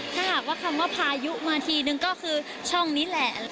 ถ้าหากว่าคำว่าพายุมาทีนึงก็คือช่องนี้แหละ